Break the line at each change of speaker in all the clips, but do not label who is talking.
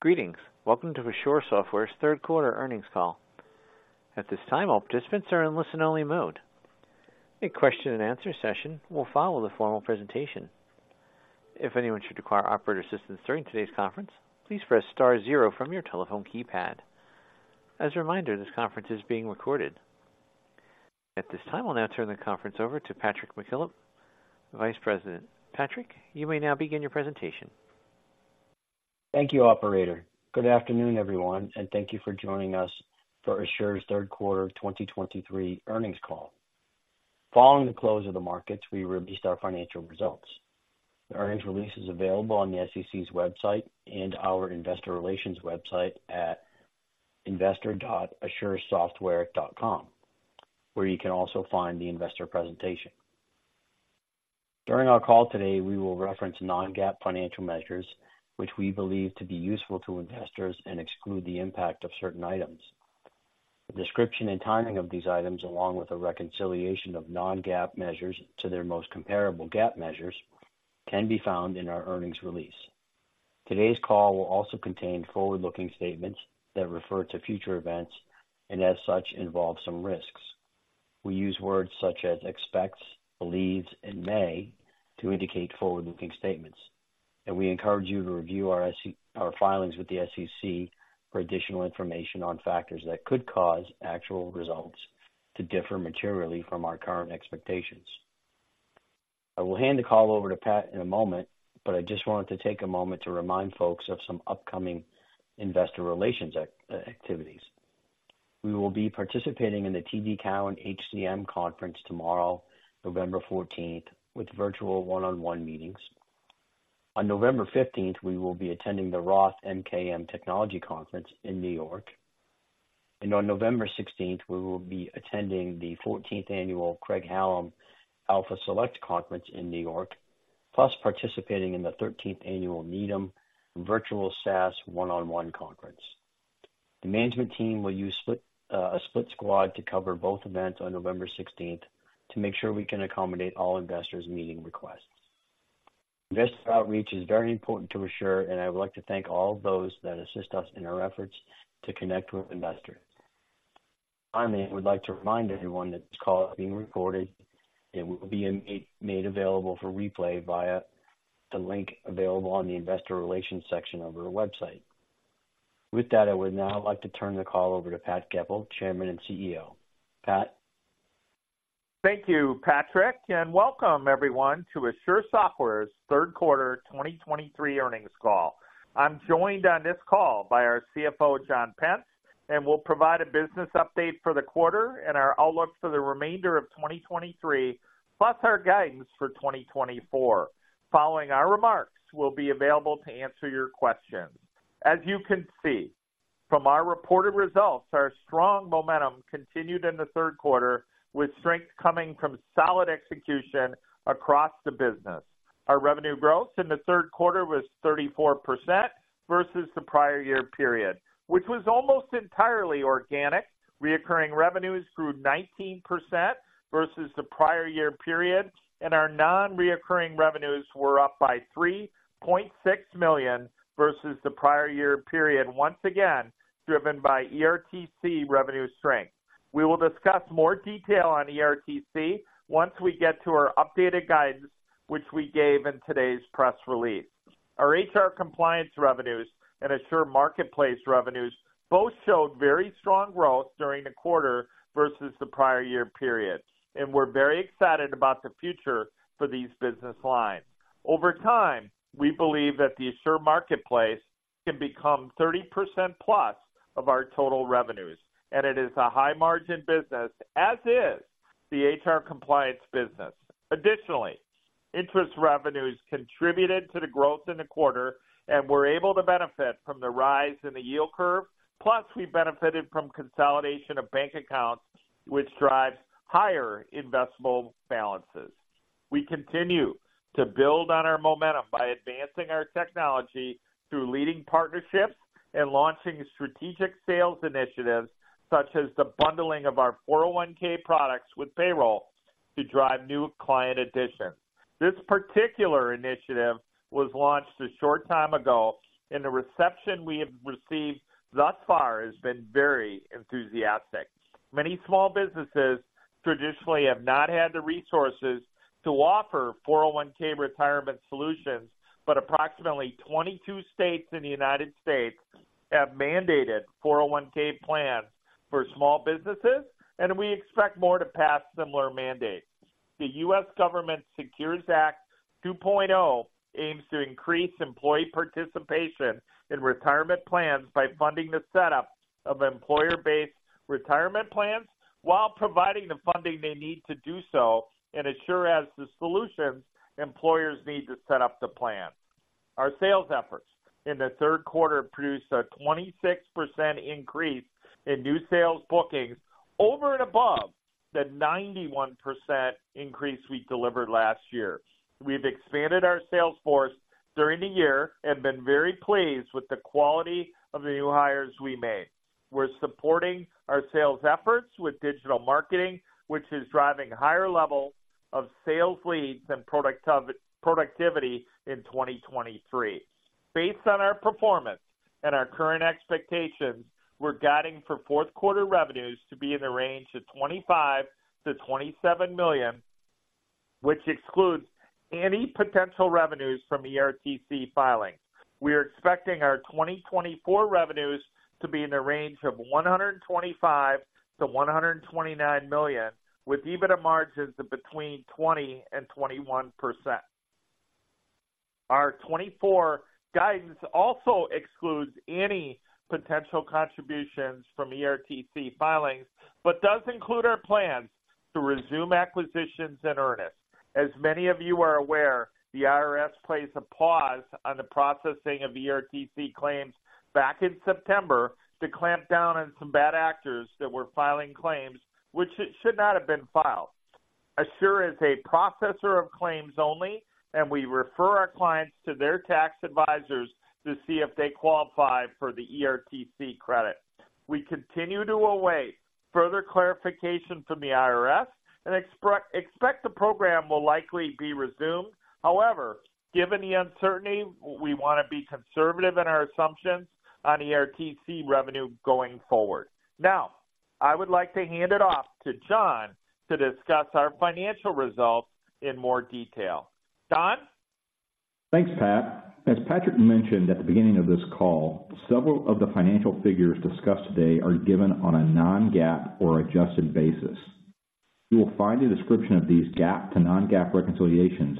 Greetings. Welcome to Asure Software's Third Quarter Earnings Call. At this time, all participants are in listen-only mode. A question-and-answer session will follow the formal presentation. If anyone should require operator assistance during today's conference, please press star zero from your telephone keypad. As a reminder, this conference is being recorded. At this time, I'll now turn the conference over to Patrick McKillop, Vice President. Patrick, you may now begin your presentation.
Thank you, operator. Good afternoon, everyone, and thank you for joining us for Asure's Third Quarter 2023 Earnings Call. Following the close of the markets, we released our financial results. The earnings release is available on the SEC's website and our investor relations website at investor.asuresoftware.com, where you can also find the investor presentation. During our call today, we will reference non-GAAP financial measures, which we believe to be useful to investors, and exclude the impact of certain items. The description and timing of these items, along with a reconciliation of non-GAAP measures to their most comparable GAAP measures, can be found in our earnings release. Today's call will also contain forward-looking statements that refer to future events and as such, involve some risks. We use words such as expects, believes, and may to indicate forward-looking statements, and we encourage you to review our SEC filings with the SEC for additional information on factors that could cause actual results to differ materially from our current expectations. I will hand the call over to Pat in a moment, but I just wanted to take a moment to remind folks of some upcoming investor relations activities. We will be participating in the TD Cowen HCM Conference tomorrow, November 14th, with virtual 1-on-1 meetings. On November 15th, we will be attending the Roth MKM Technology Conference in New York, and on November 16th, we will be attending the 14th Annual Craig-Hallum Alpha Select Conference in New York, plus participating in the 13th Annual Needham Virtual SaaS 1-on-1 conference. The management team will use a split squad to cover both events on November 16th to make sure we can accommodate all investors' meeting requests. Investor outreach is very important to Asure, and I would like to thank all those that assist us in our efforts to connect with investors. Finally, I would like to remind everyone that this call is being recorded. It will be made available for replay via the link available on the Investor Relations section of our website. With that, I would now like to turn the call over to Pat Goepel, Chairman and CEO. Pat?
Thank you, Patrick, and welcome everyone to Asure Software's Third Quarter 2023 Earnings Call. I'm joined on this call by our CFO, John Pence, and we'll provide a business update for the quarter and our outlook for the remainder of 2023, plus our guidance for 2024. Following our remarks, we'll be available to answer your questions. As you can see from our reported results, our strong momentum continued in the third quarter, with strength coming from solid execution across the business. Our revenue growth in the third quarter was 34% versus the prior year period, which was almost entirely organic. Recurring revenues grew 19% versus the prior year period, and our non-recurring revenues were up by $3.6 million versus the prior year period, once again, driven by ERTC revenue strength. We will discuss more detail on ERTC once we get to our updated guidance, which we gave in today's press release. Our HR compliance revenues and Asure Marketplace revenues both showed very strong growth during the quarter versus the prior year period, and we're very excited about the future for these business lines. Over time, we believe that the Asure Marketplace can become 30%+ of our total revenues, and it is a high-margin business, as is the HR compliance business. Additionally, interest revenues contributed to the growth in the quarter, and we're able to benefit from the rise in the yield curve, plus we benefited from consolidation of bank accounts, which drives higher investable balances. We continue to build on our momentum by advancing our technology through leading partnerships and launching strategic sales initiatives, such as the bundling of our 401(k) products with payroll to drive new client additions. This particular initiative was launched a short time ago, and the reception we have received thus far has been very enthusiastic. Many small businesses traditionally have not had the resources to offer 401(k) retirement solutions, but approximately 22 states in the United States have mandated 401(k) plans for small businesses, and we expect more to pass similar mandates. The U.S. Government SECURE Act 2.0 aims to increase employee participation in retirement plans by funding the setup of employer-based retirement plans while providing the funding they need to do so, and Asure has the solutions employers need to set up the plan. Our sales efforts in the third quarter produced a 26% increase in new sales bookings over and above the 91% increase we delivered last year. We've expanded our sales force during the year and been very pleased with the quality of the new hires we made. We're supporting our sales efforts with digital marketing, which is driving higher levels of sales leads and productivity in 2023. Based on our performance and our current expectations, we're guiding for fourth quarter revenues to be in the range of $25 million to $27 million, which excludes any potential revenues from ERTC filings. We are expecting our 2024 revenues to be in the range of $125 million to $129 million, with EBITDA margins of between 20% and 21%. Our 2024 guidance also excludes any potential contributions from ERTC filings, but does include our plans to resume acquisitions in earnest. As many of you are aware, the IRS placed a pause on the processing of ERTC claims back in September to clamp down on some bad actors that were filing claims which should not have been filed. Asure is a processor of claims only, and we refer our clients to their tax advisors to see if they qualify for the ERTC credit. We continue to await further clarification from the IRS and expect the program will likely be resumed. However, given the uncertainty, we want to be conservative in our assumptions on ERTC revenue going forward. Now, I would like to hand it off to John to discuss our financial results in more detail. John?
Thanks, Pat. As Patrick mentioned at the beginning of this call, several of the financial figures discussed today are given on a non-GAAP or adjusted basis. You will find a description of these GAAP to non-GAAP reconciliations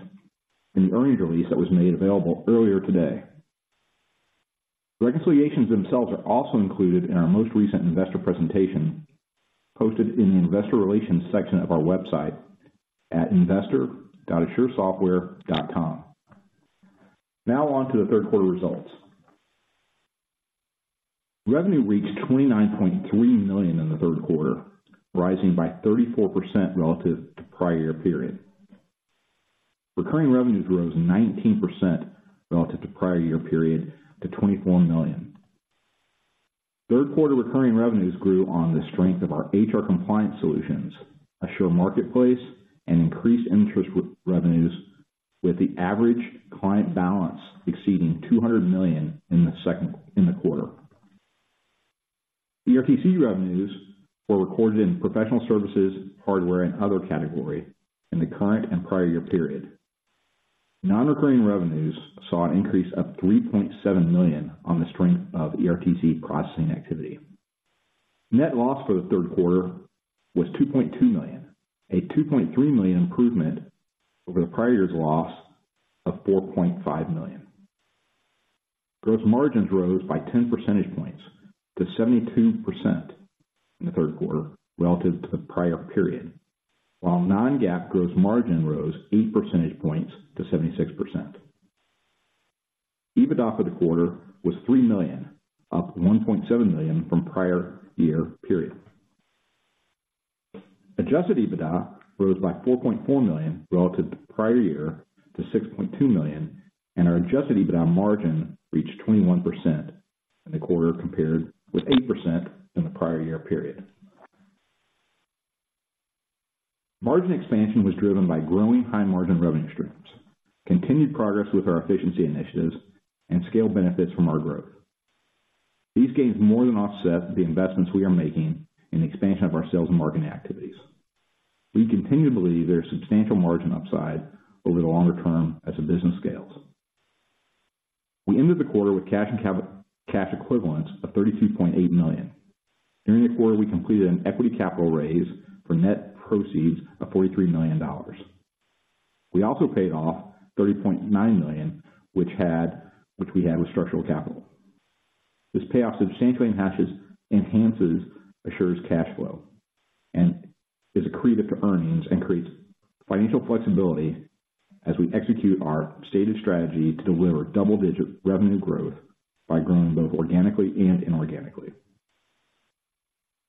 in the earnings release that was made available earlier today. Reconciliations themselves are also included in our most recent investor presentation, posted in the Investor Relations section of our website at investor.asuresoftware.com. Now, on to the third quarter results. Revenue reached $29.3 million in the third quarter, rising by 34% relative to prior year period. Recurring revenues rose 19% relative to prior year period to $24 million. Third quarter recurring revenues grew on the strength of our HR compliance solutions, Asure Marketplace, and increased interest with revenues, with the average client balance exceeding $200 million in the quarter. ERTC revenues were recorded in professional services, hardware, and other category in the current and prior year period. Non-recurring revenues saw an increase of $3.7 million on the strength of ERTC processing activity. Net loss for the third quarter was $2.2 million, a $2.3 million improvement over the prior year's loss of $4.5 million. Gross margins rose by 10 percentage points to 72% in the third quarter relative to the prior period, while non-GAAP gross margin rose 8 percentage points to 76%. EBITDA for the quarter was $3 million, up $1.7 million from prior year period. Adjusted EBITDA rose by $4.4 million relative to the prior year to $6.2 million, and our adjusted EBITDA margin reached 21% in the quarter, compared with 8% in the prior year period. Margin expansion was driven by growing high-margin revenue streams, continued progress with our efficiency initiatives, and scale benefits from our growth. These gains more than offset the investments we are making in the expansion of our sales and marketing activities. We continue to believe there is substantial margin upside over the longer term as the business scales. We ended the quarter with cash and cash equivalents of $32.8 million. During the quarter, we completed an equity capital raise for net proceeds of $43 million. We also paid off $30.9 million, which we had with Structural Capital. This payoff substantially enhances Asure's cash flow and is accretive to earnings and creates financial flexibility as we execute our stated strategy to deliver double-digit revenue growth by growing both organically and inorganically.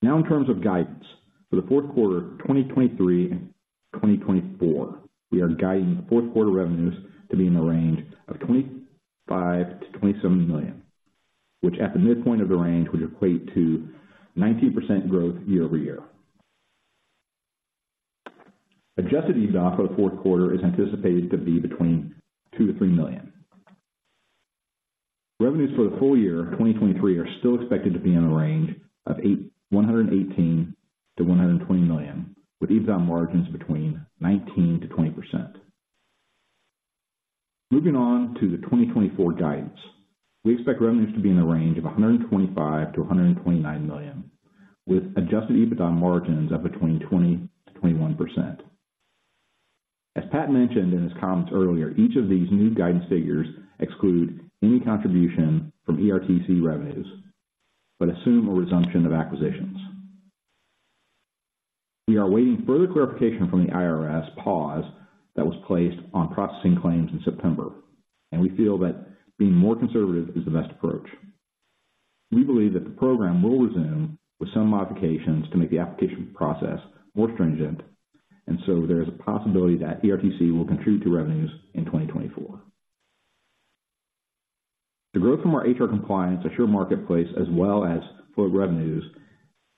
Now, in terms of guidance, for the fourth quarter, 2023 and 2024, we are guiding the fourth quarter revenues to be in the range of $25 million to $27 million, which, at the midpoint of the range, would equate to 19% growth year-over-year. Adjusted EBITDA for the fourth quarter is anticipated to be between $2 million to $3 million. Revenues for the full year, 2023, are still expected to be in the range of $81 million to $120 million, with EBITDA margins between 19%-20%. Moving on to the 2024 guidance. We expect revenues to be in the range of $125 million to $129 million, with adjusted EBITDA margins of between 20%-21%. As Pat mentioned in his comments earlier, each of these new guidance figures exclude any contribution from ERTC revenues, but assume a resumption of acquisitions. We are awaiting further clarification from the IRS pause that was placed on processing claims in September, and we feel that being more conservative is the best approach. We believe that the program will resume with some modifications to make the application process more stringent, and so there is a possibility that ERTC will contribute to revenues in 2024. The growth from our HR compliance, Asure Marketplace, as well as float revenues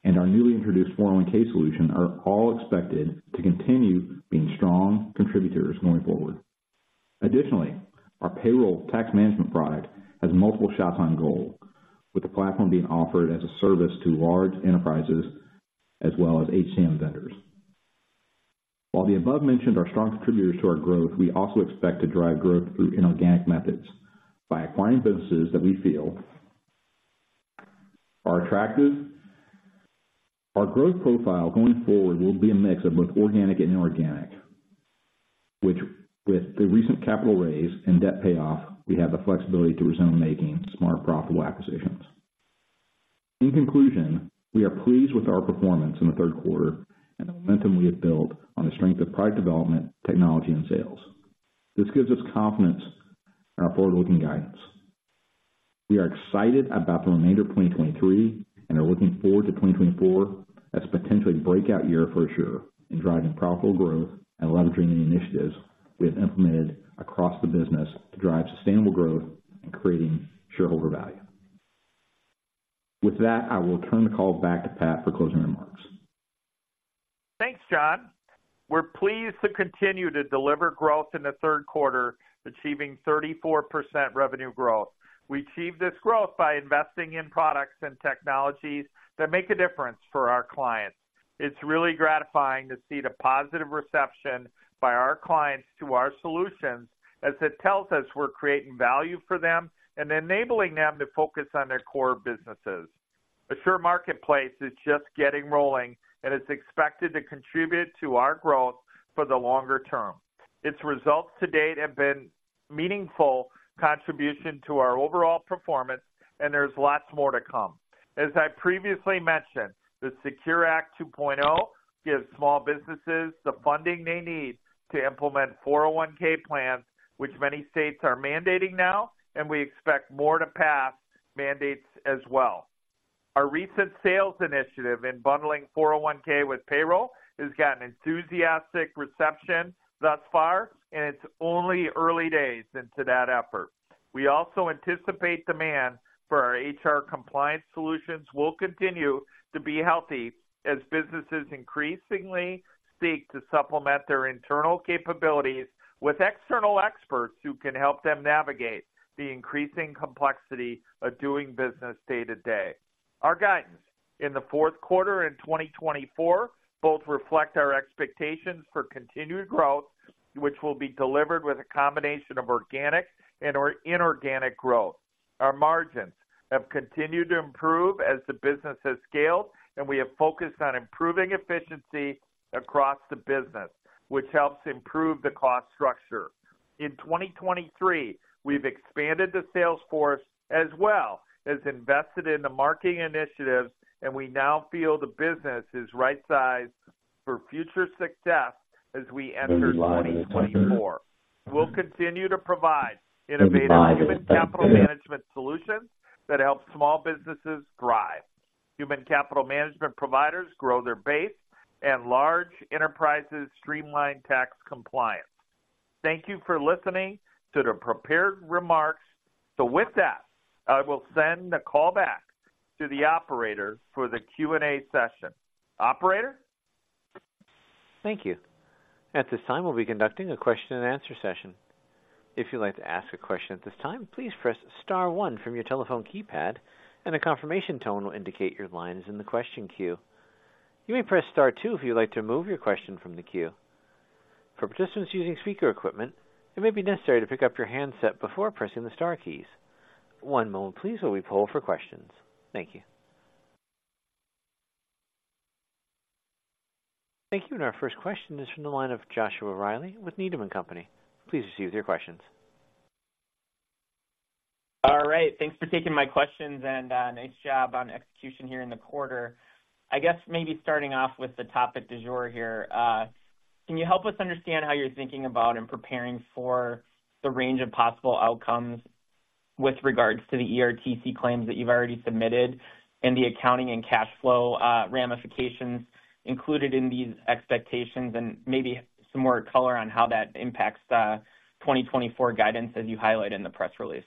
and our newly introduced 401(k) solution, are all expected to continue being strong contributors going forward. Additionally, our payroll tax management product has multiple shots on goal, with the platform being offered as a service to large enterprises as well as HCM vendors. While the above mentioned are strong contributors to our growth, we also expect to drive growth through inorganic methods by acquiring businesses that we feel are attractive. Our growth profile going forward will be a mix of both organic and inorganic, which, with the recent capital raise and debt payoff, we have the flexibility to resume making smart, profitable acquisitions. In conclusion, we are pleased with our performance in the third quarter and the momentum we have built on the strength of product development, technology, and sales. This gives us confidence in our forward-looking guidance. We are excited about the remainder of 2023 and are looking forward to 2024 as potentially a breakout year for sure, in driving profitable growth and leveraging the initiatives we have implemented across the business to drive sustainable growth and creating shareholder value. With that, I will turn the call back to Pat for closing remarks.
Thanks, John. We're pleased to continue to deliver growth in the third quarter, achieving 34% revenue growth. We achieved this growth by investing in products and technologies that make a difference for our clients. It's really gratifying to see the positive reception by our clients to our solutions, as it tells us we're creating value for them and enabling them to focus on their core businesses. Asure Marketplace is just getting rolling, and it's expected to contribute to our growth for the longer term. Its results to date have been meaningful contribution to our overall performance, and there's lots more to come. As I previously mentioned, the SECURE Act 2.0 gives small businesses the funding they need to implement 401(k) plans, which many states are mandating now, and we expect more to pass mandates as well. Our recent sales initiative in bundling 401(k) with payroll has got an enthusiastic reception thus far, and it's only early days into that effort. We also anticipate demand for our HR compliance solutions will continue to be healthy, as businesses increasingly seek to supplement their internal capabilities with external experts who can help them navigate the increasing complexity of doing business day-to-day. Our guidance in the fourth quarter and 2024 both reflect our expectations for continued growth, which will be delivered with a combination of organic and or inorganic growth. Our margins have continued to improve as the business has scaled, and we have focused on improving efficiency across the business, which helps improve the cost structure. In 2023, we've expanded the sales force as well as invested in the marketing initiatives, and we now feel the business is right-sized for future success as we enter 2024. We'll continue to provide innovative human capital management solutions that help small businesses thrive, human capital management providers grow their base, and large enterprises streamline tax compliance. Thank you for listening to the prepared remarks. So with that, I will send the call back to the operator for the Q&A session. Operator?
Thank you. At this time, we'll be conducting a question-and-answer session. If you'd like to ask a question at this time, please press star one from your telephone keypad, and a confirmation tone will indicate your line is in the question queue. You may press star two if you'd like to remove your question from the queue. For participants using speaker equipment, it may be necessary to pick up your handset before pressing the star keys. One moment, please, while we poll for questions. Thank you. Thank you. And our first question is from the line of Joshua Reilly with Needham & Company. Please proceed with your questions.
All right, thanks for taking my questions, and, nice job on execution here in the quarter. I guess maybe starting off with the topic du jour here. Can you help us understand how you're thinking about and preparing for the range of possible outcomes with regards to the ERTC claims that you've already submitted and the accounting and cash flow, ramifications included in these expectations? And maybe some more color on how that impacts the 2024 guidance as you highlight in the press release.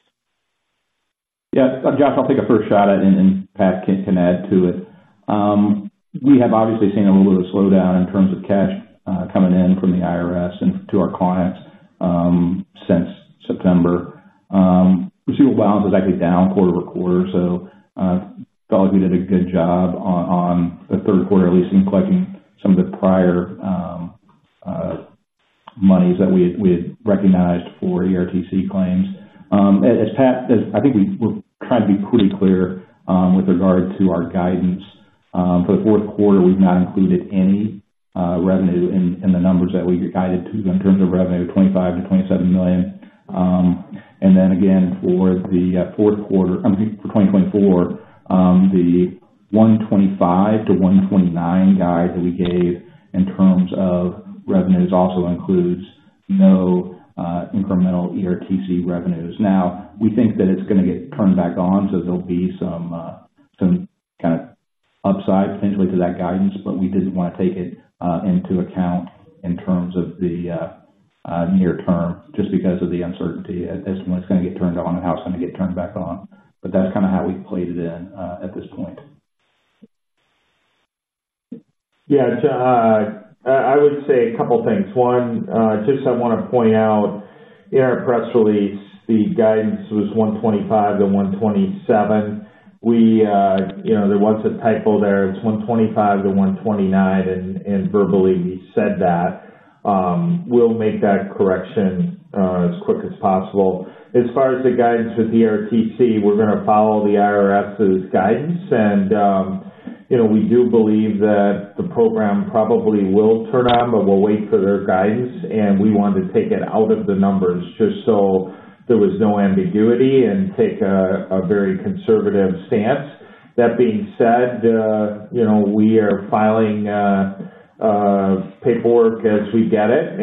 Yeah, Josh, I'll take a first shot, and Pat can add to it. We have obviously seen a little slowdown in terms of cash coming in from the IRS and to our clients since September. Receivable balance is actually down quarter-over-quarter, so felt like we did a good job on the third quarter at least in collecting some of the prior monies that we had recognized for ERTC claims. As Pat said, I think we're trying to be pretty clear with regard to our guidance. For the fourth quarter, we've not included any revenue in the numbers that we guided to in terms of revenue, $25 million to $27 million. For the fourth quarter, for 2024, the $125 million to $129 million guide that we gave in terms of revenues also includes no incremental ERTC revenues. Now, we think that it's going to get turned back on, so there'll be some upside potentially to that guidance, but we didn't want to take it into account in terms of the near term, just because of the uncertainty as to when it's gonna get turned on and how it's gonna get turned back on. But that's kind of how we played it in at this point.
I would say a couple things. One, just I wanna point out, in our press release, the guidance was 125-127. We, you know, there was a typo there. It's 125-129, and verbally, we said that. We'll make that correction as quick as possible. As far as the guidance with ERTC, we're gonna follow the IRS's guidance. And, you know, we do believe that the program probably will turn on, but we'll wait for their guidance, and we wanted to take it out of the numbers just so there was no ambiguity and take a very conservative stance. That being said we are filing paperwork as we get it.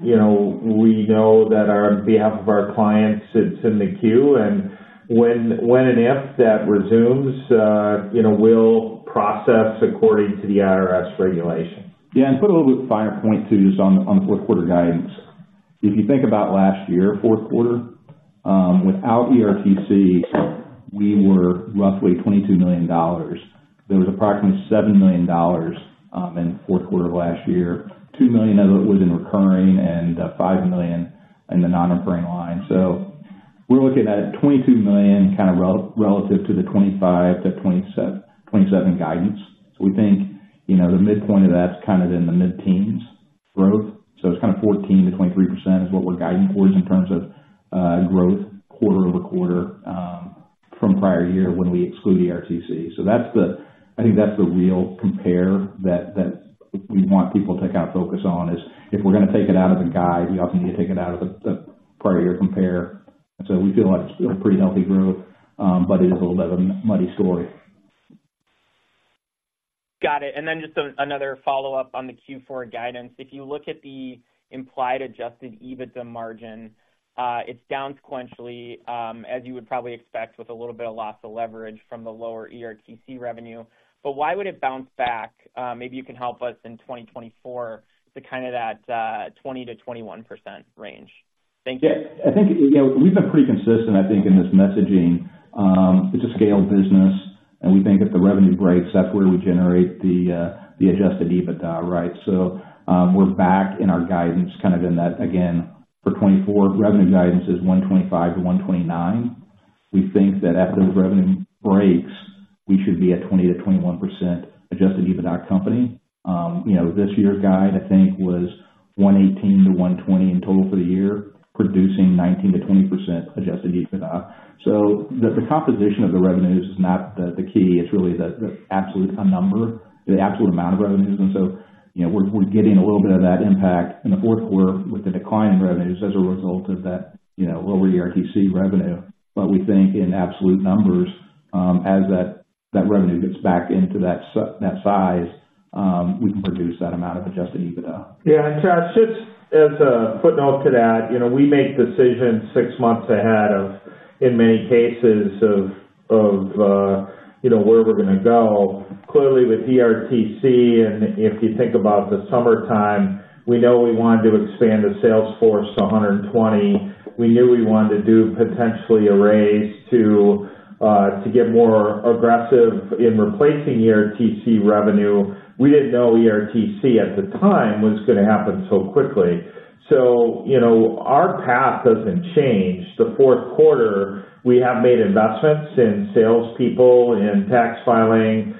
You know, we know that on behalf of our clients, it's in the queue, and when and if that resumes, you know, we'll process according to the IRS regulation.
Yeah, and put a little bit finer point, too, just on the fourth quarter guidance. If you think about last year, fourth quarter, without ERTC, we were roughly $22 million. There was approximately $7 million in the fourth quarter of last year. $2 million of it was in recurring and five million in the non-recurring line. So we're looking at $22 million, kind of relative to the $25 million to $27 million guidance. So we think, you know, the midpoint of that's kind of in the mid-teens growth. So it's kind of 14%-23% is what we're guiding towards in terms of growth quarter-over-quarter from prior year when we exclude ERTC. So that's the. I think that's the real compare that we want people to kind of focus on is, if we're gonna take it out of the guide, you also need to take it out of the prior year compare. So we feel like we're a pretty healthy growth, but it is a little bit of a muddy story.
Got it. And then just another follow-up on the Q4 guidance. If you look at the implied Adjusted EBITDA margin, it's down sequentially, as you would probably expect, with a little bit of loss of leverage from the lower ERTC revenue. But why would it bounce back, maybe you can help us, in 2024 to kind of that, 20%-21% range? Thank you.
We've been pretty consistent in this messaging. It's a scaled business, and we think if the revenue breaks, that's where we generate the adjusted EBITDA, right? We're back in our guidance, in that again, for 2024, revenue guidance is $125-$129. We think that as those revenue breaks, we should be at 20%-21% adjusted EBITDA company. This year's guide was $118-$120 in total for the year, producing 19%-20% adjusted EBITDA. So the, the composition of the revenues is not the, the key. It's really the absolute number, the absolute amount of revenues. And so, you know, we're getting a little bit of that impact in the fourth quarter with the decline in revenues as a result of that, you know, lower ERTC revenue. But we think in absolute numbers, as that revenue gets back into that size, we can produce that amount of adjusted EBITDA.
And Josh, just as a footnote to that we make decisions six months ahead of, in many cases, of where we're gonna go. Clearly, with ERTC, and if you think about the summertime, we know we wanted to expand the sales force to 120. We knew we wanted to do potentially a raise to get more aggressive in replacing ERTC revenue. We didn't know ERTC at the time was gonna happen so quickly. So, you know, our path doesn't change. The fourth quarter, we have made investments in salespeople, in tax filing.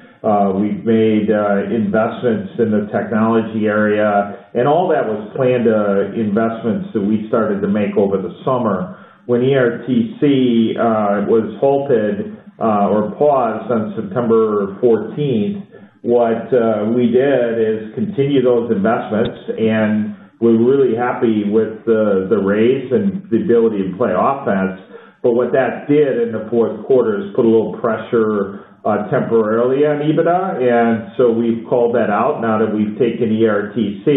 We've made investments in the technology area, and all that was planned, investments that we started to make over the summer. When ERTC was halted or paused on September 14th, what we did is continue those investments, and we're really happy with the raise and the ability to play offense. But what that did in the fourth quarter is put a little pressure temporarily on EBITDA, and so we've called that out now that we've taken ERTC.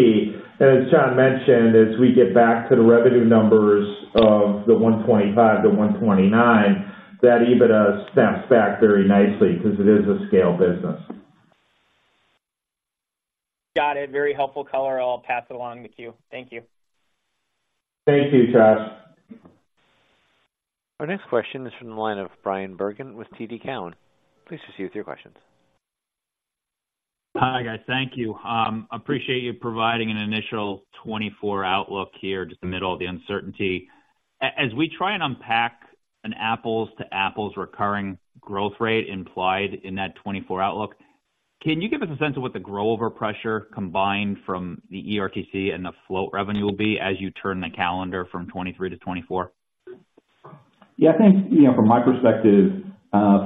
And as John mentioned, as we get back to the revenue numbers of the 125-129, that EBITDA snaps back very nicely because it is a scale business.
Got it. Very helpful color. I'll pass it along the queue. Thank you.
Thank you, Josh.
Our next question is from the line of Bryan Bergin with TD Cowen. Please proceed with your questions.
Hi, guys. Thank you. Appreciate you providing an initial 2024 outlook here, just the middle of the uncertainty. As we try and unpack an apples to apples recurring growth rate implied in that 2024 outlook, can you give us a sense of what the grow-over pressure combined from the ERTC and the float revenue will be as you turn the calendar from 2023 to 2024?
Yeah, I think, you know, from my perspective,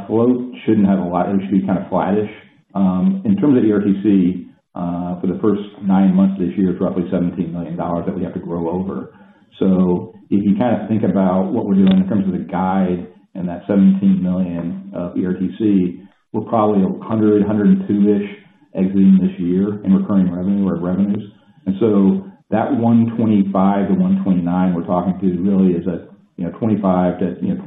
float shouldn't have a lot, it should be kind of flattish. In terms of ERTC, for the first nine months of this year, it's roughly $17 million that we have to grow over. So if you kind of think about what we're doing in terms of the guide and that $17 million of ERTC, we're probably 100, 102-ish exiting this year in recurring revenue or revenues. And so that 125 to 129 we're talking to really is a, you know, 25%-29%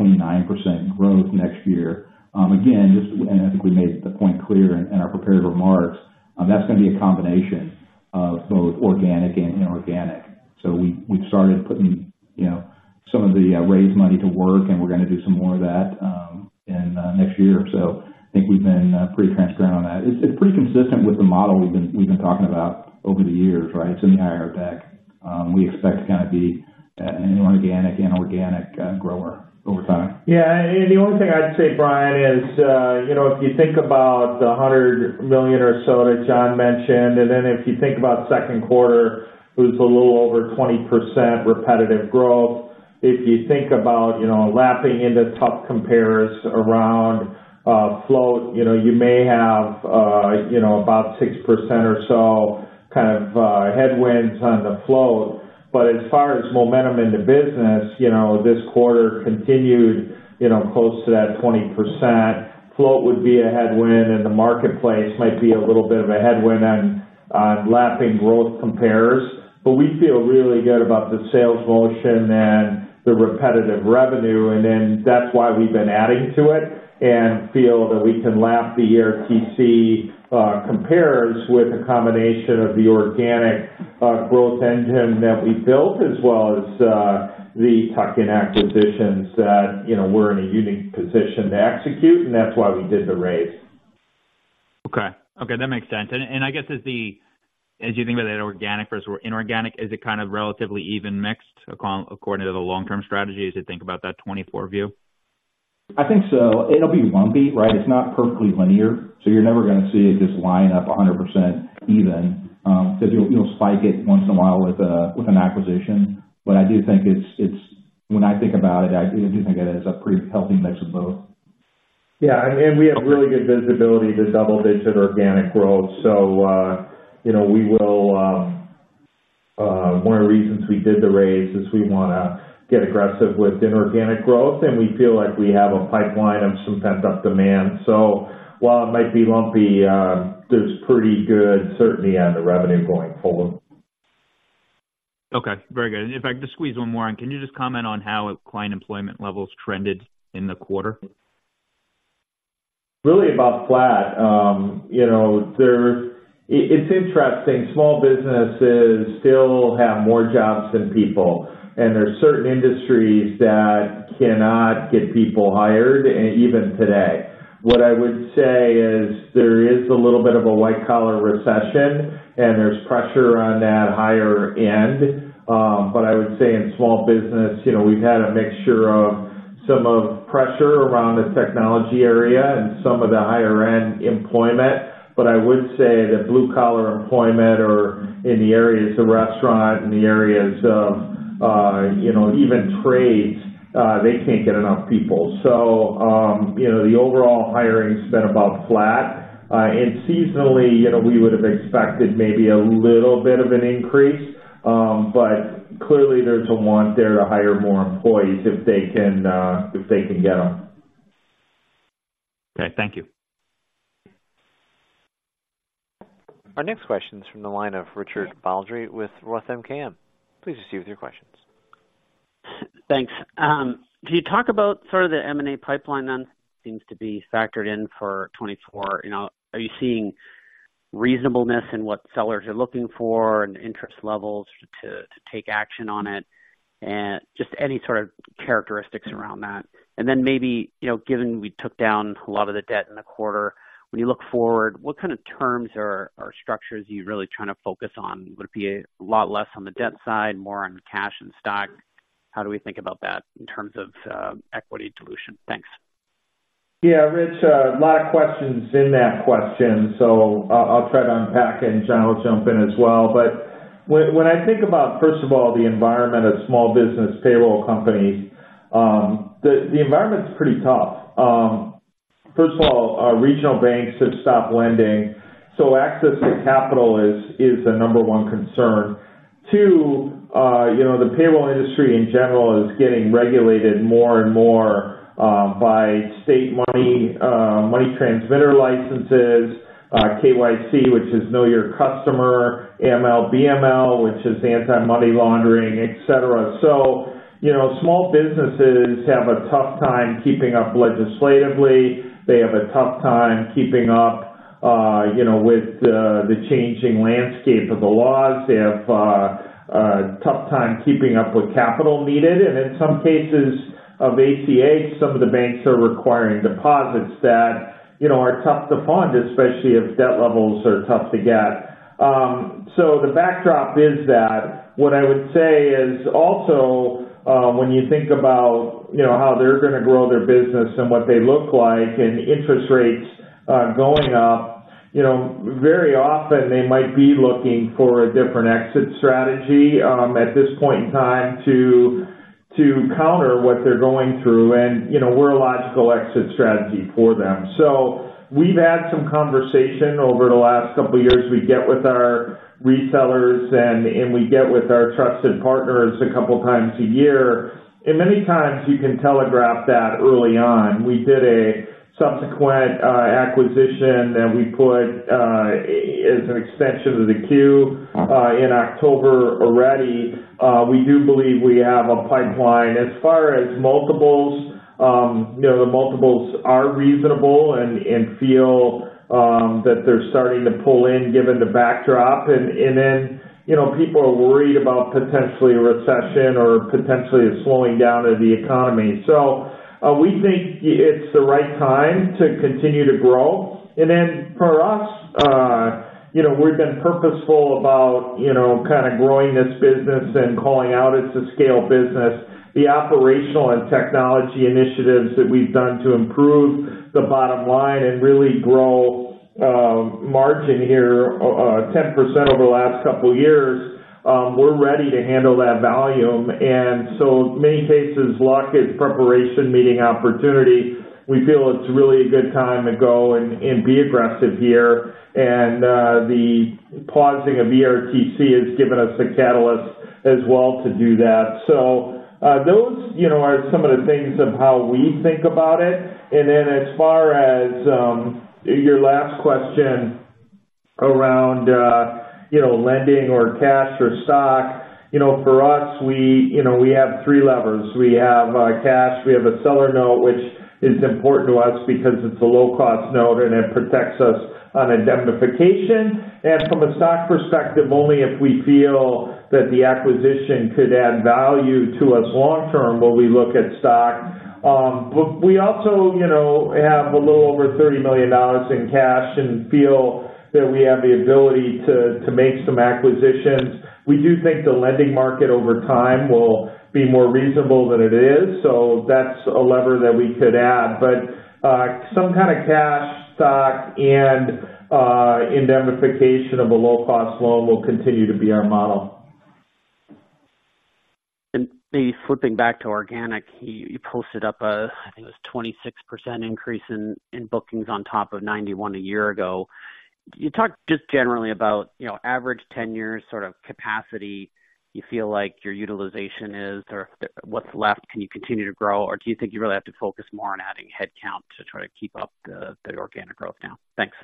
growth next year, again, just, and I think we made the point clear in our prepared remarks, that's gonna be a combination of both organic and inorganic. So we've started putting, you know, some of the raised money to work, and we're gonna do some more of that in next year. So I think we've been pretty transparent on that. It's pretty consistent with the model we've been talking about over the years, right? It's in the IR deck. We expect to kind of be an inorganic and organic grower over time.
And the only thing I'd say, Bryan, is if you think about the $100 million or so that John mentioned, and then if you think about second quarter, it was a little over 20% repetitive growth. If you think about lapping into tough compares around, float you may have about 6% or so headwinds on the float. But as far as momentum in the business this quarter continued close to that 20%. Float would be a headwind, and the marketplace might be a little bit of a headwind on, on lapping growth compares. But we feel really good about the sales motion and the repetitive revenue, and then that's why we've been adding to it, and feel that we can lap the year TC, compares with a combination of the organic, growth engine that we built, as well as, the tuck-in acquisitions that, you know, we're in a unique position to execute, and that's why we did the raise.
Okay. Okay, that makes sense. And I guess as you think about that organic versus inorganic, is it kind of relatively even mixed according to the long-term strategy, as you think about that 2024 view?
I think so. It'll be lumpy, right? It's not perfectly linear, so you're never gonna see it just line up 100% even, because you'll spike it once in a while with an acquisition. When I think about it, I do think it is a pretty healthy mix of both.
And we have really good visibility to double-digits organic growth. So, you know, we will, one of the reasons we did the raise is we wanna get aggressive with inorganic growth, and we feel like we have a pipeline of some pent-up demand. So while it might be lumpy, there's pretty good certainty on the revenue going forward.
Okay. Very good. If I could just squeeze one more in. Can you just comment on how client employment levels trended in the quarter?
Really about flat. It's interesting. Small businesses still have more jobs than people, and there are certain industries that cannot get people hired, even today. What I would say is, there is a little bit of a white-collar recession, and there's pressure on that higher end. But I would say in small business, you know, we've had a mixture of some of pressure around the technology area and some of the higher-end employment. But I would say that blue-collar employment or in the areas of restaurant, in the areas of even trades, they can't get enough people. So, you know, the overall hiring's been about flat. Seasonally, we would've expected maybe a little bit of an increase, but clearly, there's a want there to hire more employees if they can, if they can get them.
Okay. Thank you.
Our next question is from the line of Richard Baldry with Roth MKM. Please proceed with your questions.
Thanks. Can you talk about sort of the M&A pipeline then, seems to be factored in for 2024? You know, are you seeing reasonableness in what sellers are looking for and interest levels to take action on it? And just any sort of characteristics around that. And then maybe, you know, given we took down a lot of the debt in the quarter, when you look forward, what kind of terms or structures are you really trying to focus on? Would it be a lot less on the debt side, more on the cash and stock? How do we think about that in terms of equity dilution? Thanks.
Rich, a lot of questions in that question, so I'll try to unpack and John will jump in as well. But when, when I think about, first of all, the environment of small business payroll companies, the environment's pretty tough. First of all, our regional banks have stopped lending, so access to capital is, is the number one concern. Two, the payroll industry in general is getting regulated more and more by state money transmitter licenses, KYC, which is Know Your Customer, AML, BML, which is anti-money laundering, et cetera. So, you know, small businesses have a tough time keeping up legislatively. They have a tough time keeping up with the changing landscape of the laws. They have a tough time keeping up with capital needed, and in some cases of ACA, some of the banks are requiring deposits that, you know, are tough to fund, especially if debt levels are tough to get. So the backdrop is that what I would say is, also, when you think about, you know, how they're gonna grow their business and what they look like, and interest rates going up, you know, very often they might be looking for a different exit strategy at this point in time to counter what they're going through, and, you know, we're a logical exit strategy for them. So we've had some conversation over the last couple years. We get with our retailers, and we get with our trusted partners a couple times a year, and many times you can telegraph that early on. We did a subsequent acquisition that we put as an extension of the queue in October already. We do believe we have a pipeline. As far as multiples, you know, the multiples are reasonable and, and feel that they're starting to pull in given the backdrop. And then, you know, people are worried about potentially a recession or potentially a slowing down of the economy. So, we think it's the right time to continue to grow. And then for us, you know, we've been purposeful about, you know, kind of growing this business and calling out it's a scale business. The operational and technology initiatives that we've done to improve the bottom line and really grow margin here 10% over the last couple years, we're ready to handle that volume. And so in many cases, luck is preparation meeting opportunity. We feel it's really a good time to go and be aggressive here. And, the pausing of ERTC has given us a catalyst as well to do that. So, those, you know, are some of the things of how we think about it. And then as far as, your last question around, you know, lending or cash or stock, you know, for us, we, you know, we have three levers. We have, cash, we have a seller note, which is important to us because it's a low-cost note, and it protects us on indemnification. And from a stock perspective, only if we feel that the acquisition could add value to us long term will we look at stock. But we also, you know, have a little over $30 million in cash and feel that we have the ability to make some acquisitions. We do think the lending market, over time, will be more reasonable than it is, so that's a lever that we could add. But, some kind of cash, stock, and indemnification of a low-cost loan will continue to be our model.
Maybe flipping back to organic, you posted up a, I think it was 26% increase in bookings on top of 91 a year ago. Can you talk just generally about, you know, average tenure sort of capacity you feel like your utilization is, what's left, can you continue to grow, or do you think you really have to focus more on adding headcount to try to keep up the organic growth now? Thanks.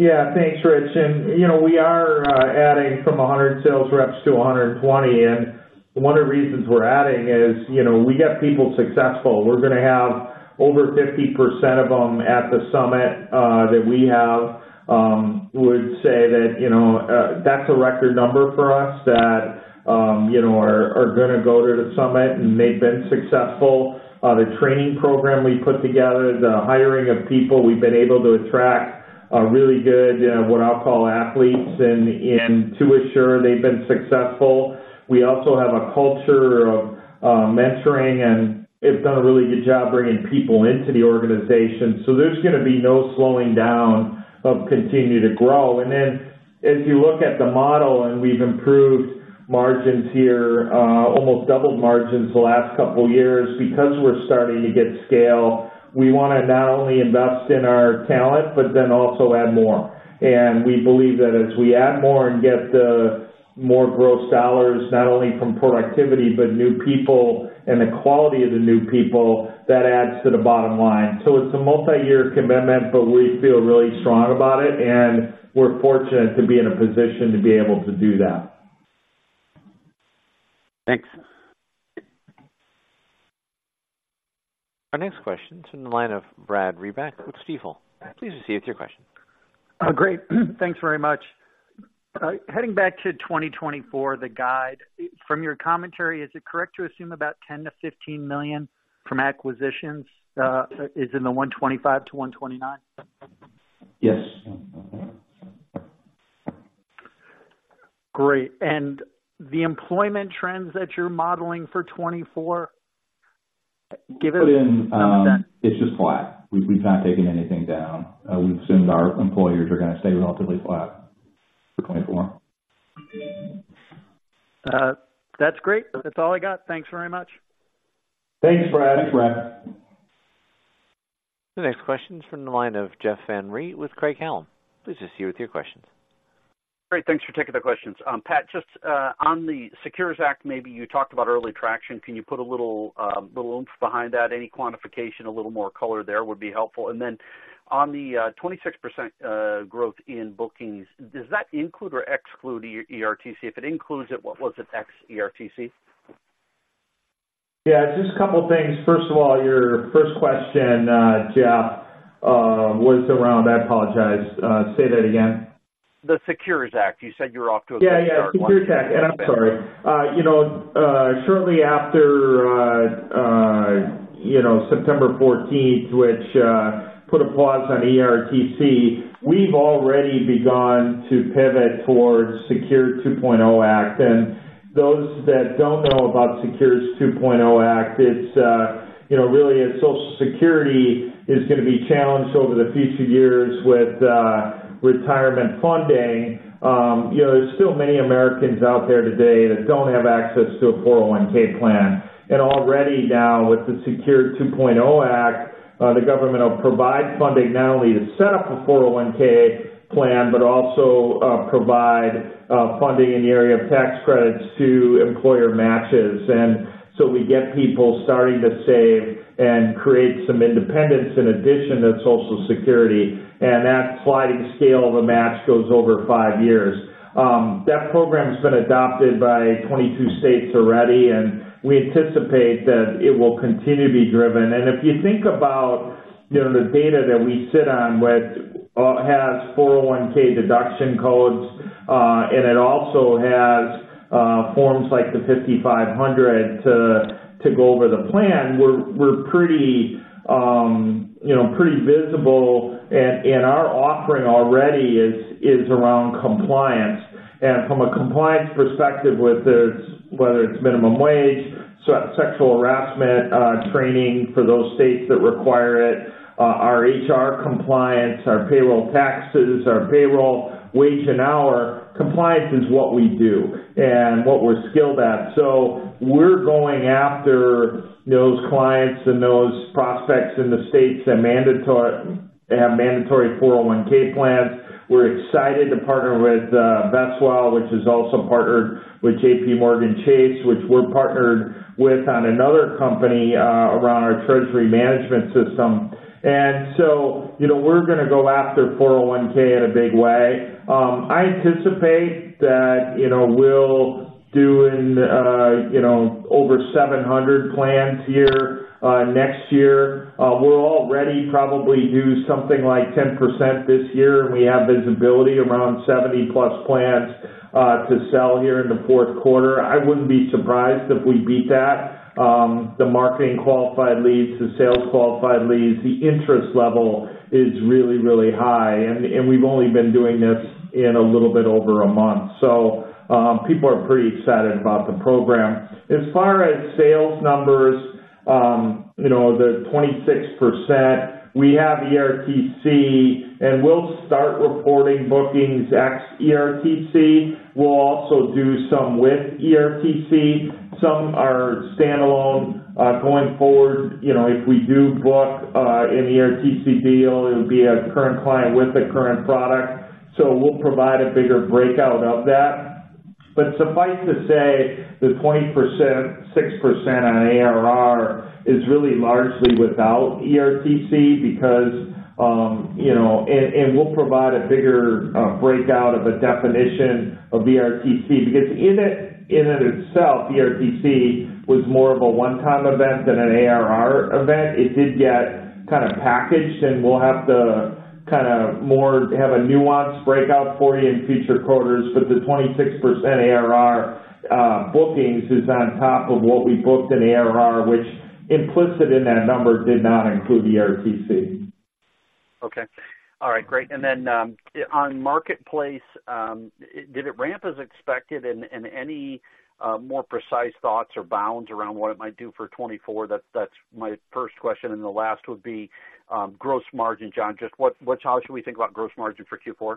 Yeah. Thanks, Rich, and, you know, we are adding from 100 sales reps to 120, and one of the reasons we're adding is, you know, we get people successful. We're gonna have over 50% of them at the summit that we have would say that, you know, that's a record number for us that, you know, are gonna go to the summit, and they've been successful. The training program we put together, the hiring of people, we've been able to attract really good what I'll call athletes in Asure, they've been successful. We also have a culture of mentoring, and it's done a really good job bringing people into the organization. So there's gonna be no slowing down of continue to grow. And then, as you look at the model, and we've improved margins here, almost doubled margins the last couple years. Because we're starting to get scale, we wanna not only invest in our talent, but then also add more. And we believe that as we add more and get the more gross dollars, not only from productivity, but new people and the quality of the new people, that adds to the bottom line. So it's a multiyear commitment, but we feel really strong about it, and we're fortunate to be in a position to be able to do that.
Thanks.
Our next question is in the line of Brad Reback with Stifel. Please proceed with your question.
Great. Thanks very much. Heading back to 2024, the guide. From your commentary, is it correct to assume about $10 million-$15 million from acquisitions is in the $125-$129?
Yes.
Great, and the employment trends that you're modeling for 2024.
Put in, it's just flat. We've not taken anything down. We've assumed our employers are gonna stay relatively flat for 2024.
That's great. That's all I got. Thanks very much.
Thanks, Brad.
The next question is from the line of Jeff Van Rhee with Craig-Hallum. Please proceed with your questions.
Great, thanks for taking the questions. Pat, just, on the SECURE Act, maybe you talked about early traction. Can you put a little, a little oomph behind that? Any quantification, a little more color there would be helpful. And then on the, 26% growth in bookings, does that include or exclude ERTC? If it includes it, what was it ex-ERTC?
Yeah, just a couple things. First of all, your first question, Jeff, what's around? I apologize. Say that again.
The SECURE Act, you said you were off to a good start.
SECURE Act, and I'm sorry. You know, shortly after September 14th, which put a pause on ERTC, we've already begun to pivot towards SECURE 2.0 Act. And those that don't know about SECURE 2.0 Act, it's you know, really, as Social Security is gonna be challenged over the future years with retirement funding, you know, there's still many Americans out there today that don't have access to a 401 plan. And already now, with the SECURE 2.0 Act, the government will provide funding, not only to set up a 401 plan, but also provide funding in the area of tax credits to employer matches. And so we get people starting to save and create some independence in addition to Social Security, and that sliding scale of a match goes over five years. That program's been adopted by 22 states already, and we anticipate that it will continue to be driven. And if you think about, you know, the data that we sit on, which has 401 deduction codes, and it also has forms like the 5500 to go over the plan, we're pretty, you know, pretty visible, and our offering already is around compliance. And from a compliance perspective, whether it's minimum wage, sexual harassment training for those states that require it, our HR compliance, our payroll taxes, our payroll wage and hour compliance is what we do and what we're skilled at. So we're going after those clients and those prospects in the states that have mandatory 401 plans. We're excited to partner with Vestwell, which is also partnered with J.P. Morgan Chase, which we're partnered with on another company around our treasury management system. And so, you know, we're gonna go after 401 in a big way. I anticipate that, you know, we'll do in, you know, over 700 plans here next year. We'll already probably do something like 10% this year, and we have visibility around 70+ plans to sell here in the fourth quarter. I wouldn't be surprised if we beat that. The marketing qualified leads, the sales qualified leads, the interest level is really, really high, and we've only been doing this in a little bit over a month. So, people are pretty excited about the program. As far as sales numbers, you know, the 26%, we have ERTC, and we'll start reporting bookings ex ERTC. We'll also do some with ERTC. Some are standalone. Going forward, you know, if we do book an ERTC deal, it would be a current client with a current product, so we'll provide a bigger breakout of that. But suffice to say, the 20%, 6% on ARR is really largely without ERTC because, you know. And we'll provide a bigger breakout of a definition of ERTC, because in it itself, ERTC was more of a one-time event than an ARR event. It did get kind of packaged, and we'll have to kind of more have a nuanced breakout for you in future quarters. The 26% ARR bookings is on top of what we booked in ARR, which, implicit in that number, did not include ERTC.
Okay. All right, great. And then, on Marketplace, did it ramp as expected, and any more precise thoughts or bounds around what it might do for 2024? That's my first question, and the last would be gross margin, John. Just what, how should we think about gross margin for Q4?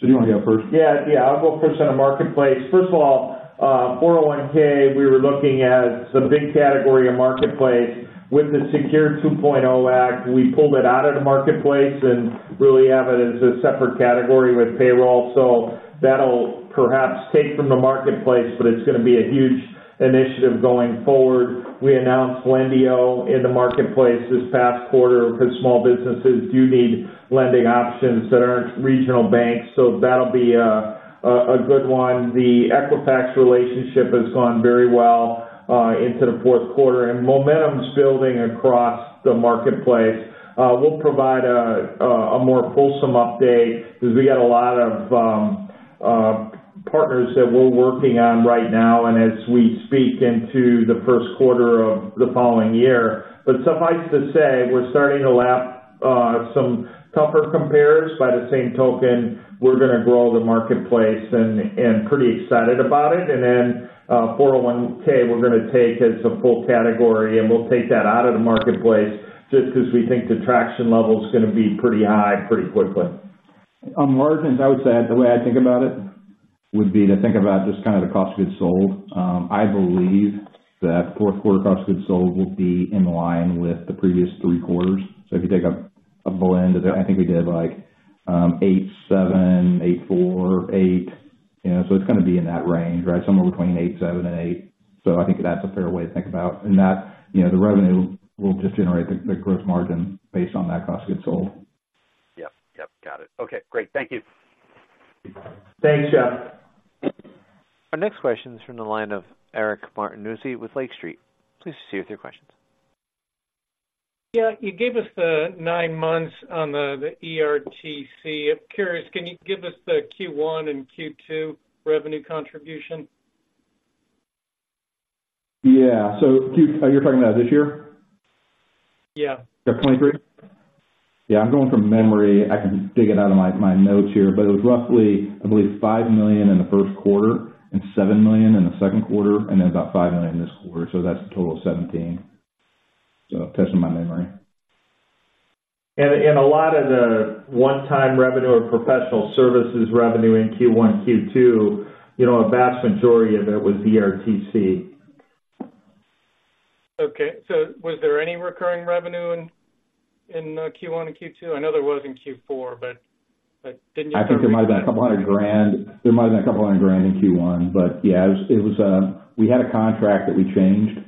Do you want to go first?
Yeah, yeah. I'll go first on the Marketplace. First of all, 401, we were looking at the big category of Marketplace. With the SECURE Act 2.0, we pulled it out of the Marketplace and really have it as a separate category with payroll. So that'll perhaps take from the Marketplace, but it's gonna be a huge initiative going forward. We announced Lendio in the Marketplace this past quarter, because small businesses do need lending options that aren't regional banks, so that'll be a good one. The Equifax relationship has gone very well into the fourth quarter, and momentum's building across the Marketplace. We'll provide a more fulsome update, because we got a lot of partners that we're working on right now and as we speak into the first quarter of the following year. But suffice to say, we're starting to lap some tougher compares. By the same token, we're gonna grow the Marketplace, and pretty excited about it. And then, 401(k), we're gonna take as a full category, and we'll take that out of the Marketplace, just because we think the traction level is gonna be pretty high pretty quickly.
On margins, I would say that the way I think about it, would be to think about just kind of the cost of goods sold. I believe that fourth quarter cost of goods sold will be in line with the previous three quarters. So if you take a, a blend of it, I think we did, like, 87, 84, 88. You know, so it's gonna be in that range, right? Somewhere between 87 and 88. So I think that's a fair way to think about. And that, you know, the revenue will just generate the, the gross margin based on that cost of goods sold.
Okay, great. Thank you.
Thanks, John.
Our next question is from the line of Eric Martinuzzi with Lake Street. Please proceed with your questions.
Yeah, you gave us the nine months on the ERTC. I'm curious, can you give us the Q1 and Q2 revenue contribution?
Yeah. So, are you talking about this year?
Yeah.
The 23? Yeah, I'm going from memory. I can dig it out of my notes here, but it was roughly, I believe, $5 million in the first quarter and $7 million in the second quarter, and then about $5 million this quarter, so that's a total of 17. So testing my memory.
A lot of the one-time revenue or professional services revenue in Q1, Q2, you know, a vast majority of it was ERTC.
Okay. So was there any recurring revenue in Q1 and Q2? I know there was in Q4, but didn't you-
I think there might have been $200,000. There might have been $200,000 in Q1, but yeah, it was we had a contract that we changed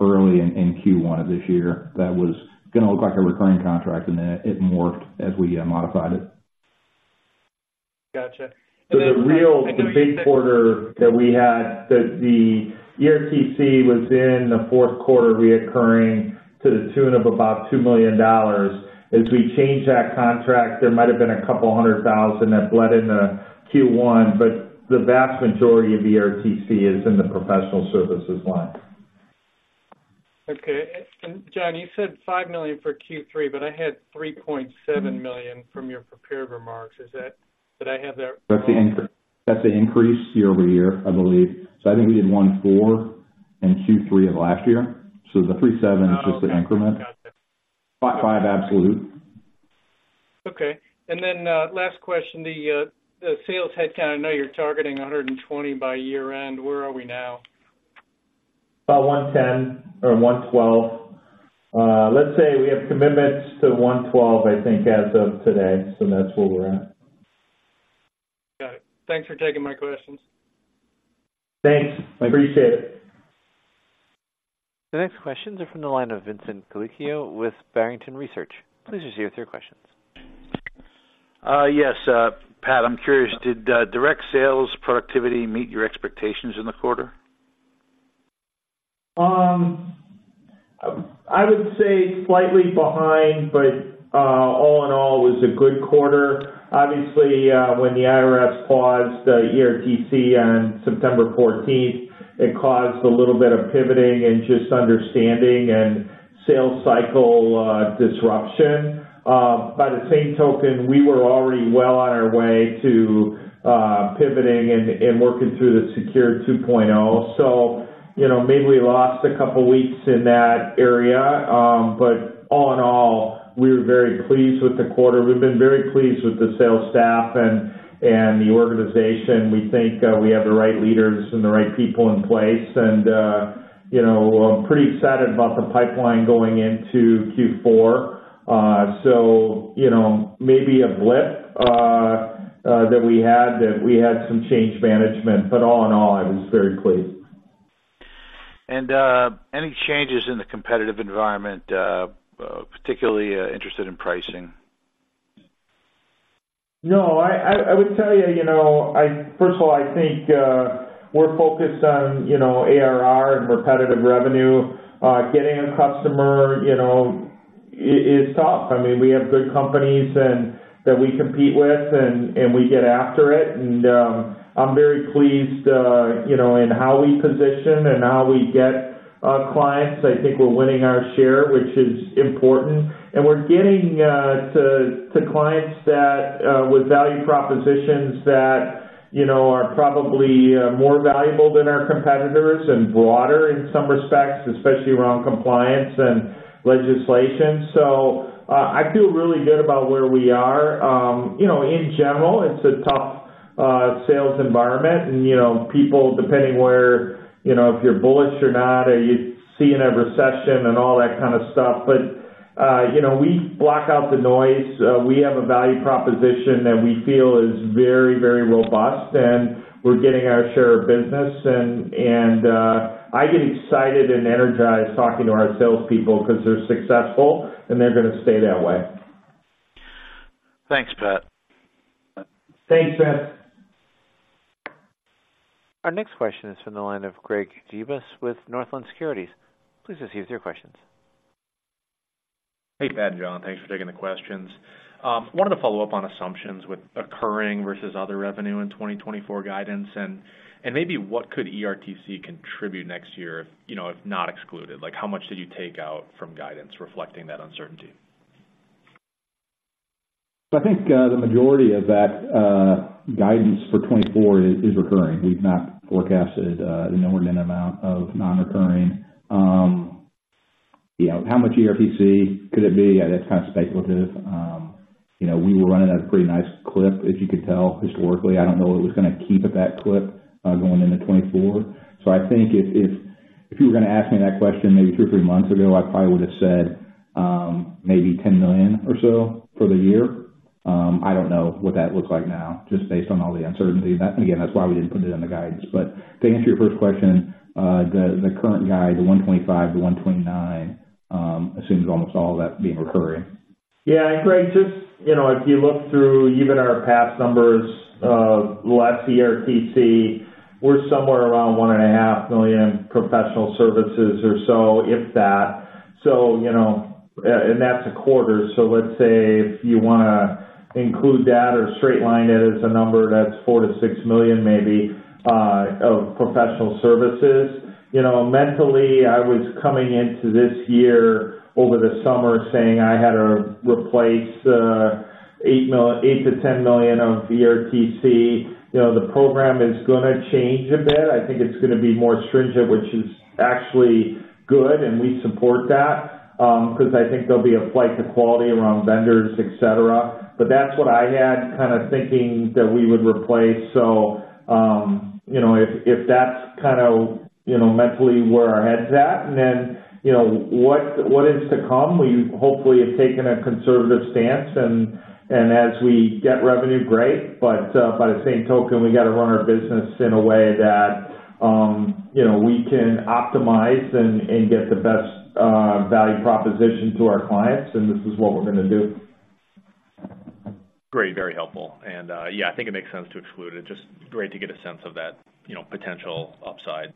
early in Q1 of this year that was gonna look like a recurring contract, and then it morphed as we modified it.
Gotcha.
So the real, the big quarter that we had, that the ERTC was in the fourth quarter, recurring to the tune of about $2 million. As we changed that contract, there might have been a couple hundred thousand that bled into Q1, but the vast majority of ERTC is in the professional services line.
Okay. And, and John, you said $5 million for Q3, but I had $3.7 million from your prepared remarks. Is that? Did I have that?
That's the increase year-over-year, I believe. So I think we did 14 in Q3 of last year. So the 37 is just the increment. Five absolute.
Okay. And then, last question, the sales headcount, I know you're targeting 120 by year end. Where are we now?
About 110 or 112. Let's say we have commitments to 112, I think, as of today, so that's where we're at.
Got it. Thanks for taking my questions.
Thanks. Appreciate it.
The next questions are from the line of Vincent Colicchio with Barrington Research. Please proceed with your questions.
Yes, Pat, I'm curious, did direct sales productivity meet your expectations in the quarter?
I would say slightly behind, but all in all, it was a good quarter. Obviously, when the IRS paused the ERTC on September 14th, it caused a little bit of pivoting and just understanding and sales cycle disruption. By the same token, we were already well on our way to pivoting and working through the SECURE 2.0. So, you know, maybe we lost a couple weeks in that area, but all in all, we were very pleased with the quarter. We've been very pleased with the sales staff and the organization. We think we have the right leaders and the right people in place, and you know, I'm pretty excited about the pipeline going into Q4. So, you know, maybe a blip that we had some change management, but all in all, I was very pleased.
Any changes in the competitive environment, particularly interested in pricing?
No, I would tell you, you know, I first of all, I think, we're focused on, you know, ARR and repetitive revenue. Getting a customer, you know, is tough. I mean, we have good companies and that we compete with, and we get after it, and I'm very pleased, you know, in how we position and how we get our clients. I think we're winning our share, which is important, and we're getting to clients that with value propositions that, you know, are probably more valuable than our competitors and broader in some respects, especially around compliance and legislation. So, I feel really good about where we are. You know, in general, it's a tough sales environment and, you know, people, depending where, you know, if you're bullish or not or you're seeing a recession and all that kind of stuff. But, you know, we block out the noise. We have a value proposition that we feel is very, very robust, and we're getting our share of business and I get excited and energized talking to our salespeople 'cause they're successful, and they're gonna stay that way.
Thanks, Pat.
Thanks, Vincent.
Our next question is from the line of Greg Gibas with Northland Securities. Please proceed with your questions.
Hey, Pat and John, thanks for taking the questions. Wanted to follow up on assumptions with occurring versus other revenue in 2024 guidance, and, and maybe what could ERTC contribute next year if, you know, if not excluded? Like, how much did you take out from guidance reflecting that uncertainty?
I think, the majority of that, guidance for 2024 is recurring. We've not forecasted a nominal amount of non-recurring. You know, how much ERTC could it be? That's kind of speculative. You know, we were running at a pretty nice clip, as you could tell historically. I don't know if it was gonna keep at that clip, going into 2024. So I think if you were gonna ask me that question maybe two or three months ago, I probably would have said, maybe $10 million or so for the year. I don't know what that looks like now, just based on all the uncertainty. That again, that's why we didn't put it in the guidance. But to answer your first question, the current guide, the $125 million, the $129 million, assumes almost all that being recurring.
Greg, just if you look through even our past numbers of last ERTC, we're somewhere around $1.5 million professional services or so, if that. and that's a quarter. So let's say if you wanna include that or straight line it as a number, that's $4 million to $6 million maybe, of professional services. Mentally, I was coming into this year over the summer saying I had to replace, 8-10 million of ERTC. You know, the program is gonna change a bit. I think it's gonna be more stringent, which is actually good, and we support that, 'cause I think there'll be a flight to quality around vendors, et cetera. But that's what I had thinking that we would replace. If that's mentally where our head's at, and then, you know, what is to come, we hopefully have taken a conservative stance, and as we get revenue, great, but by the same token, we gotta run our business in a way that we can optimize and get the best value proposition to our clients, and this is what we're gonna do.
Great, very helpful. I think it makes sense to exclude it. Just great to get a sense of that potential upside,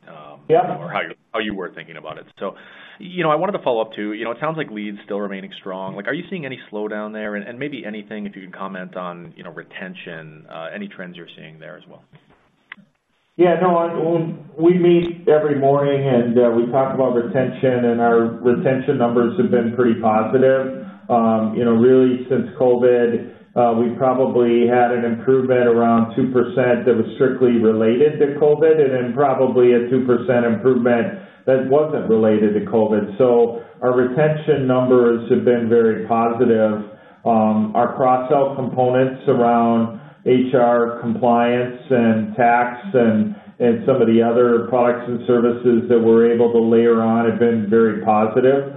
or how you were thinking about it. I wanted to follow up, too. It sounds like leads still remaining strong. Like, are you seeing any slowdown there? And maybe anything, if you could comment on retention, any trends you're seeing there as well.
Well, we meet every morning, and we talk about retention, and our retention numbers have been pretty positive. Really, since COVID, we probably had an improvement around 2% that was strictly related to COVID, and then probably a 2% improvement that wasn't related to COVID. So our retention numbers have been very positive. Our cross-sell components around HR compliance and tax and some of the other products and services that we're able to layer on have been very positive.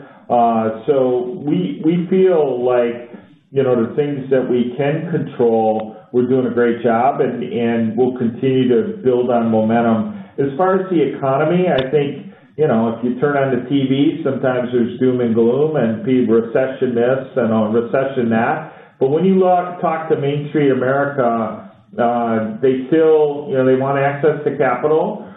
So we feel like, you know, the things that we can control, we're doing a great job, and we'll continue to build on the momentum. As far as the economy, I think, you know, if you turn on the TV, sometimes there's doom and gloom and the recession this and recession that. But when you look, talk to Main Street America, they still find they want access to capital,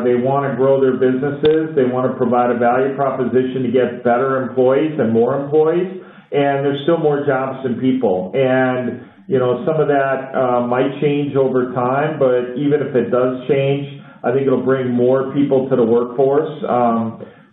they wanna grow their businesses, they wanna provide a value proposition to get better employees and more employees, and there's still more jobs than people. And, you know, some of that, might change over time, but even if it does change, I think it'll bring more people to the workforce.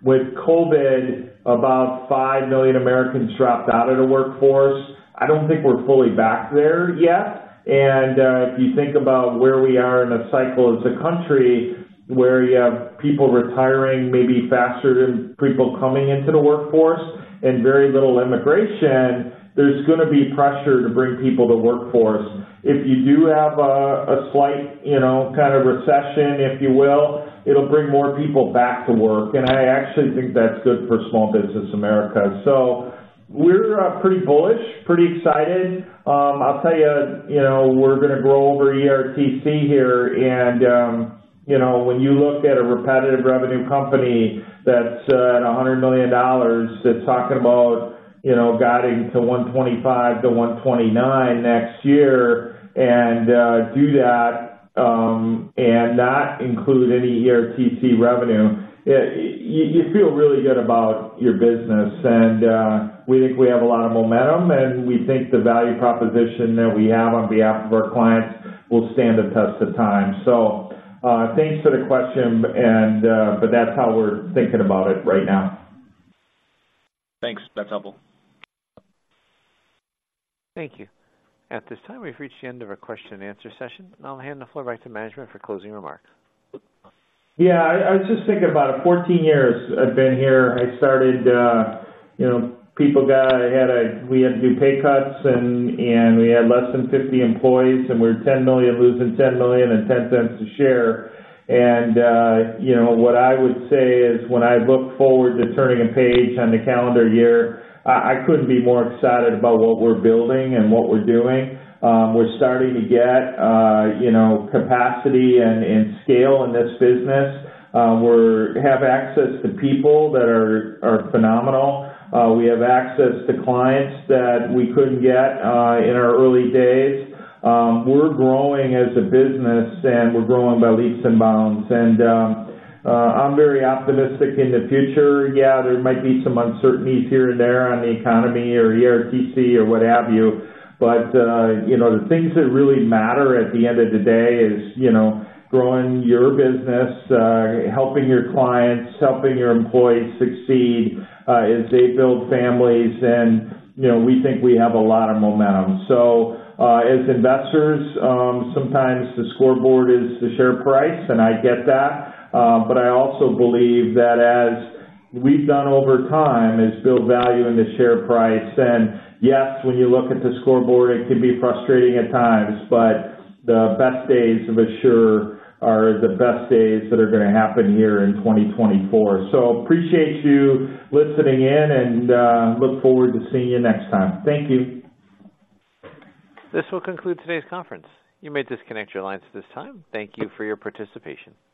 With COVID, about 5 million Americans dropped out of the workforce. I don't think we're fully back there yet. And, if you think about where we are in a cycle as a country, where you have people retiring maybe faster than people coming into the workforce and very little immigration, there's gonna be pressure to bring people to the workforce. If you do have a slight recession, if you will, it'll bring more people back to work, and I actually think that's good for small business America. So we're pretty bullish, pretty excited. I'll tell you we're gonna grow over ERTC here, and when you look at a repetitive revenue company that's at $100 million, that's talking about guiding to $125 million to $129 million next year and do that, and not include any ERTC revenue, you feel really good about your business. And we think we have a lot of momentum, and we think the value proposition that we have on behalf of our clients will stand the test of time. So, thanks for the question and, but that's how we're thinking about it right now.
Thanks. That's helpful.
Thank you. At this time, we've reached the end of our question-and-answer session, and I'll hand the floor back to management for closing remarks.
Yeah, I was just thinking about it, 14 years I've been here. I started we had to do pay cuts, and we had less than 50 employees, and we were $10 million, losing $10 million and $0.10 a share. And you know, what I would say is, when I look forward to turning a page on the calendar year, I couldn't be more excited about what we're building and what we're doing. We're starting to get capacity and scale in this business. We have access to people that are phenomenal. We have access to clients that we couldn't get in our early days. We're growing as a business, and we're growing by leaps and bounds, and I'm very optimistic in the future. There might be some uncertainties here and there on the economy or ERTC or what have you, but, you know, the things that really matter at the end of the day is, you know, growing your business, helping your clients, helping your employees succeed, as they build families. And, you know, we think we have a lot of momentum. So, as investors, sometimes the scoreboard is the share price, and I get that, but I also believe that as we've done over time, is build value in the share price. And yes, when you look at the scoreboard, it can be frustrating at times, but the best days of Asure are the best days that are gonna happen here in 2024. So appreciate you listening in, and, look forward to seeing you next time. Thank you.
This will conclude today's conference. You may disconnect your lines at this time. Thank you for your participation.